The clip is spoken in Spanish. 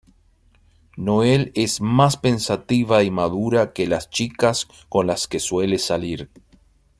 Noel es más pensativa y madura que las chicas con las que suele salir.